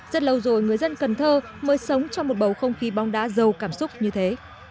rất lâu rồi người dân cần thơ mới sống trong một bầu không khí bóng đá giàu cảm xúc như thế